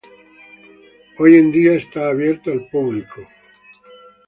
Hoy en día está abierto al público.